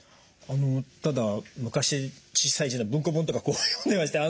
ただ昔小さい字の文庫本とかこう読んでましたよ。